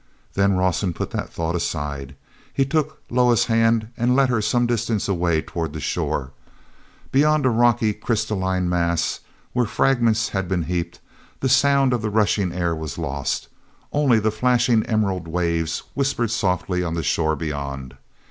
hen Rawson put that thought aside. He took Loah's hand and led her some distance away toward the shore. Beyond a rocky, crystalline mass, where fragments had been heaped, the sound of the rushing air was lost; only the flashing emerald waves whispered softly on the shore beyond.